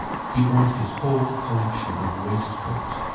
He brought his whole collection of waistcoats.